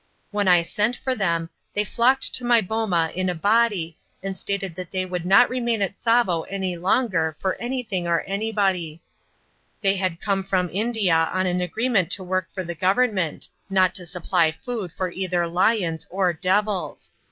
When I sent for them, they flocked to my boma in a body and stated that they would not remain at Tsavo any longer for anything or anybody; they had come from India on an agreement to work for the Government, not to supply food for either lions or "devils."